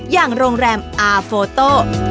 อย่างโรงแรมอาโฟโต้